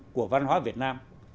của văn hóa việt nam